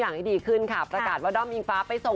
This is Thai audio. ออกงานอีเวนท์ครั้งแรกไปรับรางวัลเกี่ยวกับลูกทุ่ง